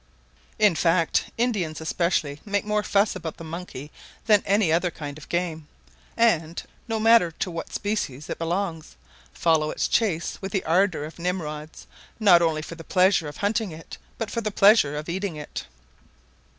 In fact Indians especially make more fuss about the monkey than any other kind of game, and, no matter to what species it belongs, follow its chase with the ardor of Nimrods, not only for the pleasure of hunting it, but for the pleasure of eating it.